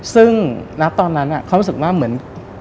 ซึ่งณตอนนั้นเขารู้สึกว่าเหมือน